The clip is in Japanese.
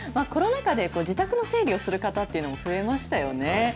コロナ禍で自宅の整理をする方っていうのが増えましたよね。